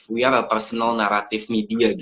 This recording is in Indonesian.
kita adalah naratif media